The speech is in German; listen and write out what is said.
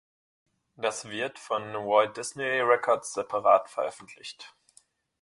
Das wird von Walt Disney Records separat veröffentlicht.